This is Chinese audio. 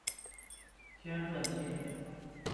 天顺七年。